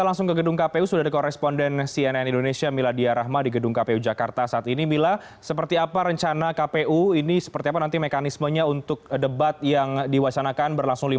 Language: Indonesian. pastikan akan diwarnai dengan berbagai kompleksitas